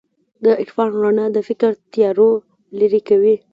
د عرفان رڼا د فکر تیارو لېرې کوي.